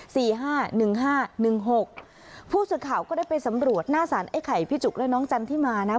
ห้าหนึ่งห้าหนึ่งหกผู้สื่อข่าวก็ได้ไปสำรวจหน้าสารไอ้ไข่พี่จุกและน้องจันทิมานะ